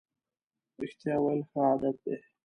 رښتیا ویل ښه عادت دی.